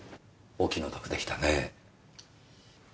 お気の毒でしたね。